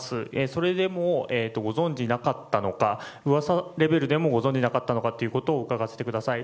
それでもご存じなかったのか噂レベルでもご存じなかったのかということをお伺いさせてください。